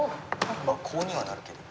まあコウにはなるけど。